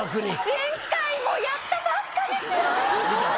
前回もやったばっかですよ。